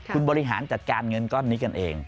คุณบริหารจัดการเงินก้อนนี้กันเอง